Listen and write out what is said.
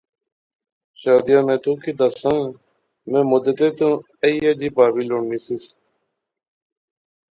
شازیہ میں تو کنے دساں کہ میں مدتیں تھی ایہھے جئی پہاوی لوڑنی سیوس